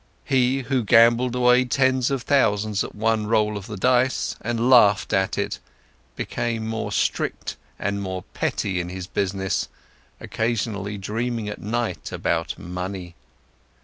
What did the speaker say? He, who gambled away tens of thousands at one roll of the dice and laughed at it, became more strict and more petty in his business, occasionally dreaming at night about money!